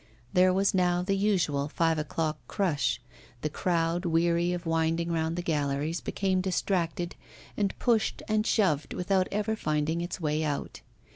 There was now the usual five o'clock crush. The crowd, weary of winding round the galleries, became distracted, and pushed and shoved without ever finding its way out.